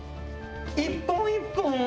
１本１本を？